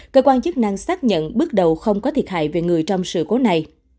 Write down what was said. cơ quan chức năng xác nhận bước đầu không có thiệt hại về người trong sự cố này